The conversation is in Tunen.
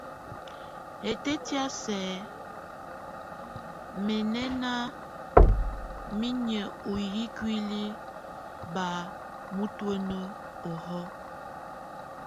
Ɛtɛ́ti a sɛk mɛ náŋa niŋí ɔ yí kuli bá netuen ohɔ.